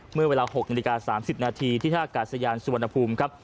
เมื่อเวลา๖นิกา๓๐นาทีที่ธาคาสะยานสุวรรณภูมิ